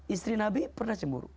istri nabi pernah cemburu